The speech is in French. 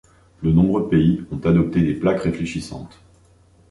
De nombreux pays ont adopté des plaques réfléchissantes.